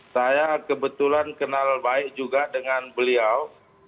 saya kebetulan kenal baik juga dengan beliau